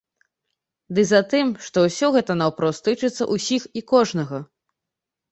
Ды затым, што ўсё гэта наўпрост тычацца ўсіх і кожнага.